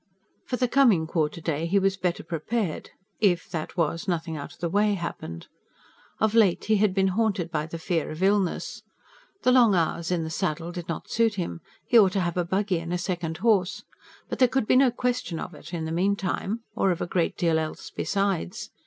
For the coming quarter day he was better prepared if, that was, nothing out of the way happened. Of late he had been haunted by the fear of illness. The long hours in the saddle did not suit him. He ought to have a buggy, and a second horse. But there could be no question of it in the meantime, or of a great deal else besides.